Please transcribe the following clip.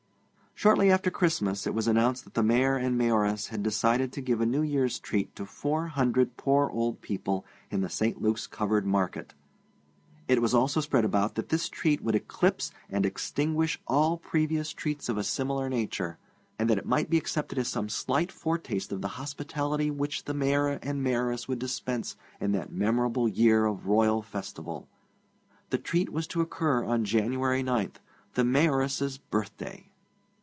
Shortly after Christmas it was announced that the Mayor and Mayoress had decided to give a New Year's treat to four hundred poor old people in the St. Luke's covered market. It was also spread about that this treat would eclipse and extinguish all previous treats of a similar nature, and that it might be accepted as some slight foretaste of the hospitality which the Mayor and Mayoress would dispense in that memorable year of royal festival. The treat was to occur on January 9, the Mayoress's birthday.